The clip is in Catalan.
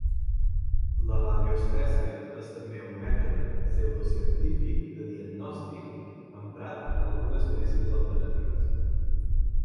La radioestèsia és també un mètode pseudocientífic de diagnòstic emprat en algunes medicines alternatives.